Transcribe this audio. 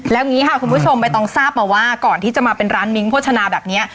แล้วอย่างนี้ค่ะคุณผู้ชมใบตองทราบมาว่าก่อนที่จะมาเป็นร้านมิ้งโภชนาแบบนี้